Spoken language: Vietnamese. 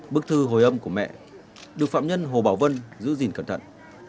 bức thư hồi âm của mẹ được phạm nhân hồ bảo vân giữ gìn cẩn thận